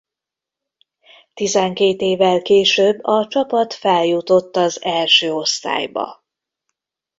Tizenkét évvel később a csapat feljutott az első osztályba.